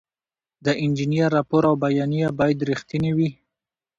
د انجینر راپور او بیانیه باید رښتینې وي.